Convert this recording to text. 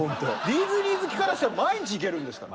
ディズニー好きからしたら毎日行けるんですから。